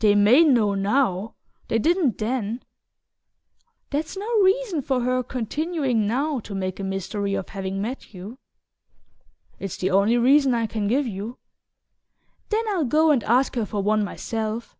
"They may know NOW; they didn't then " "That's no reason for her continuing now to make a mystery of having met you." "It's the only reason I can give you." "Then I'll go and ask her for one myself."